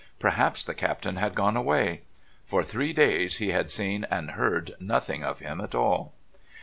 Perhaps the Captain had gone away. For three days he had seen and heard nothing of him at all.